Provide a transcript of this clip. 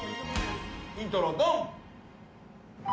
イントロドン！